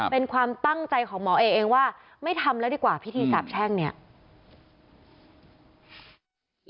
เป็นความตั้งใจของหมอเอเองว่าไม่ทำแล้วดีกว่าพิธีสาบแช่งเนี่ย